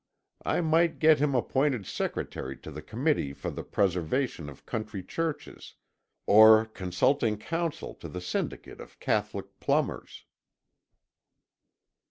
I might get him appointed Secretary to the Committee for the Preservation of Country Churches, or Consulting Counsel to the Syndicate of Catholic Plumbers."